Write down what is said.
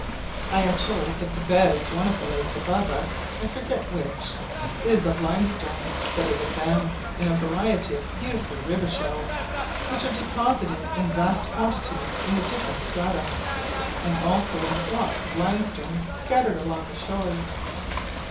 I am told that the bed of one of the lakes above us (I forget which) is of limestone; that it abounds in a variety of beautiful river shells, which are deposited in vast quantities in the different strata, and also in the blocks of limestone scattered along the shores.